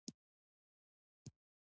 افغانستان کې د چار مغز په اړه زده کړه کېږي.